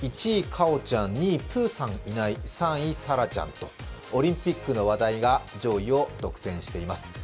１位、かおちゃん２位、プーさんいない３位、沙羅ちゃんとオリンピックの話題が上位を独占しています。